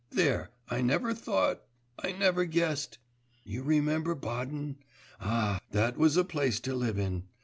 There, I never thought, I never guessed.... You remember Baden? Ah, that was a place to live in!